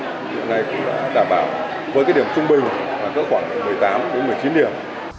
hiện nay cũng là đảm bảo với cái điểm trung bình là có khoảng một mươi tám đến một mươi chín điểm